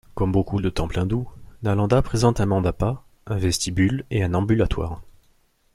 Comme beaucoup de temples hindous, Nalanda présente un mandapa, un vestibule et un ambulatoire.